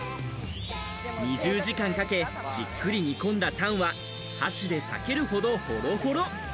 ２０時間かけ、じっくり煮込んだタンは箸でさけるほど、ホロホロ。